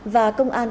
và công an các đơn vị